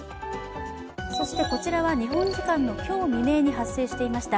こちらは日本時間の今日未明に発生していました